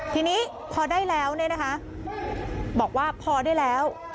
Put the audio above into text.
ทีนี้พอได้แล้วบอกว่าพอได้แล้ว